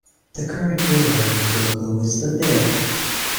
The current Euronews logo is the fifth.